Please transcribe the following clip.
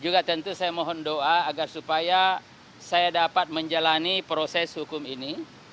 juga tentu saya mohon doa agar supaya saya dapat menjalani proses hukum ini